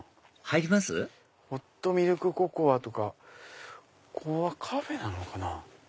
ホットミルクココアとかここはカフェなのかな？